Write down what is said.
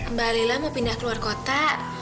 mbak lila mau pindah ke luar kota